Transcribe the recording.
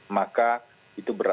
maka itu berat